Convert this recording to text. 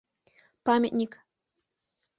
Памятник!